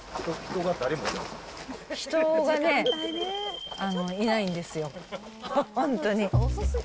人がね、いないんですよ、本当に。